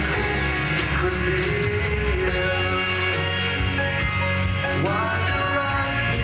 อีกเพลงหนึ่งครับนี้ให้สนสารเฉพาะเลย